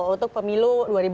untuk pemilu dua ribu empat belas